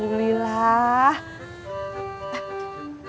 alhamdulillah baik cuy